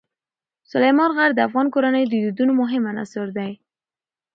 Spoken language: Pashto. سلیمان غر د افغان کورنیو د دودونو مهم عنصر دی.